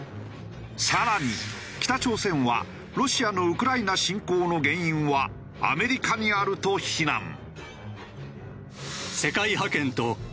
更に北朝鮮はロシアのウクライナ侵攻の原因はアメリカにあると非難。